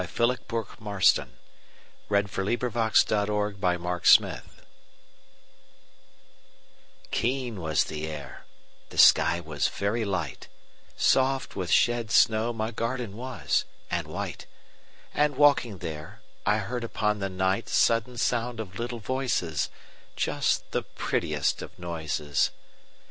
Philip Bourke Marston 1850–87 Garden Fairies KEEN was the air, the sky was very light, Soft with shed snow my garden was, and white, And, walking there, I heard upon the nightSudden sound of little voices, Just the prettiest of noises.